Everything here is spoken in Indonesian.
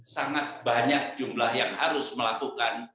sangat banyak jumlah yang harus melakukan